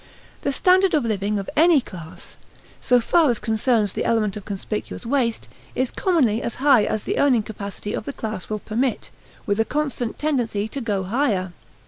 The standard of living of any class, so far as concerns the element of conspicuous waste, is commonly as high as the earning capacity of the class will permit with a constant tendency to go higher.